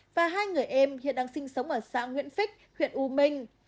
và hai người em hiện đang sinh sống ở xã nguyễn phích huyện u minh